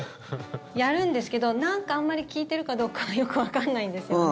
やるんですけどなんかあんまり効いてるかどうかよくわかんないんですよね。